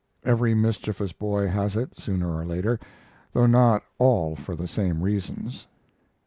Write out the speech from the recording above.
Every mischievous boy has it, sooner or later, though not all for the same reasons.